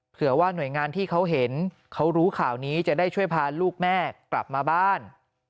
เผื่อว่าหน่วยงานที่เขาเห็นเขารู้ข่าวนี้จะได้ช่วยพาลูกแม่กลับมาบ้าน